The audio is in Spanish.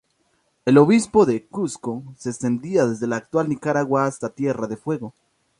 El obispado de Cuzco se extendía desde la actual Nicaragua hasta Tierra de Fuego.